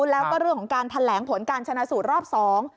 แล้วก็เรื่องของ